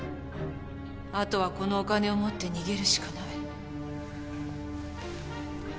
あとはこのお金を持って逃げるしかない。